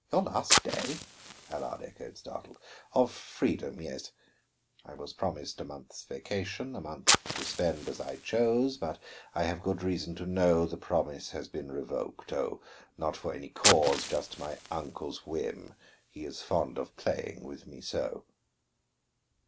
"Your last day!" Allard echoed, startled. "Of freedom, yes. I was promised a month's vacation; a month to spend as I chose, but I have good reason to know the promise has been revoked. Oh, not for any cause, just my uncle's whim. He is fond of playing with me so."